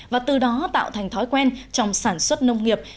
và từ đó tạo thành thói quen trong sản xuất nông nghiệp